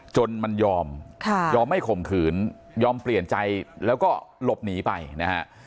จนมันยอมยอมให้ข่มขืนยอมเปลี่ยนใจแล้วก็หลบหนีไปนะฮะ